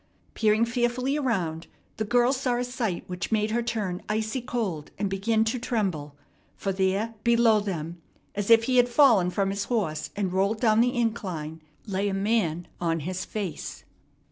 Peering fearfully around, the girl saw a sight which made her turn icy cold and begin to tremble; for there, below them, as if he had fallen from his horse and rolled down the incline, lay a man on his face.